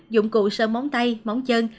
dụng cụ sơn móng tay móng chân